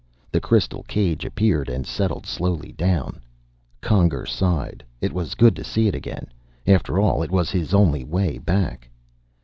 The crystal cage appeared and settled slowly down. Conger sighed. It was good to see it again. After all, it was his only way back.